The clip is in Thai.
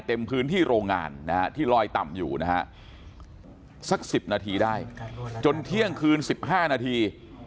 เต็มพื้นที่โรงงานนะฮะที่ลอยต่ำอยู่นะฮะสัก๑๐นาทีได้จนเที่ยงคืน๑๕นาที